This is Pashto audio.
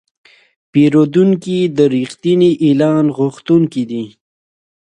پیرودونکی د رښتیني اعلان غوښتونکی دی.